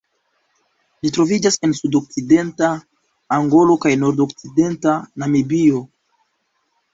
Ĝi troviĝas en sudokcidenta Angolo kaj nordokcidenta Namibio.